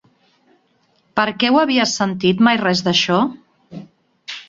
Perquè ho havia sentit mai res d'això?